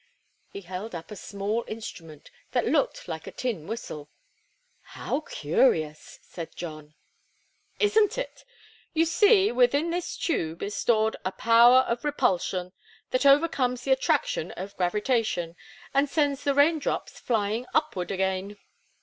He held up a small instrument that looked like a tin whistle. "How curious!" said John. "Isn't it? You see, within this tube is stored a Power of Repulsion that overcomes the Attraction of Gravitation, and sends the rain drops flying upward again.